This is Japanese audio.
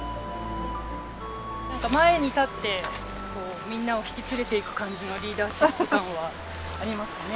前に立ってみんなを引き連れていく感じのリーダーシップ感はありますね。